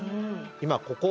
今ここ。